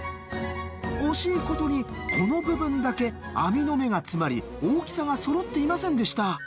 惜しい事にこの部分だけ網の目が詰まり大きさがそろっていませんでした。